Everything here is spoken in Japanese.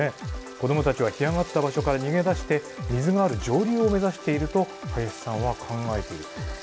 子供たちは干上がった場所から逃げ出して水がある上流を目指していると林さんは考えているそうです。